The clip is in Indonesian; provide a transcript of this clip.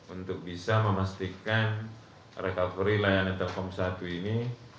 untuk bisa memastikan recovery layanan telkom satu ini